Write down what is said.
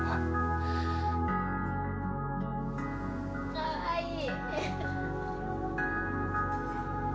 かわいい。